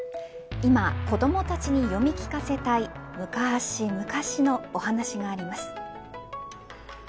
今、子どもたちに読み聞かせたい昔、昔のお話があります。